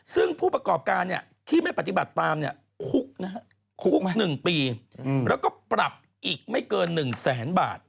ซึ่งผู้ประกอบการที่ไม่ปฏิบัติตามคุก๑ปีแล้วก็ปรับอีกไม่เกิน๑แสนบาท